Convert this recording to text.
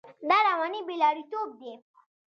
دا رواني بې لارېتوب دی.